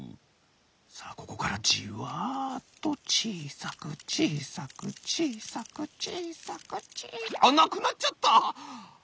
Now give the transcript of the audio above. さあここからじわっとちいさくちいさくちいさくちいさくちいさくあっなくなっちゃった！